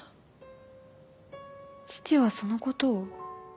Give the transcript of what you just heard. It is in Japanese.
父はそのことを？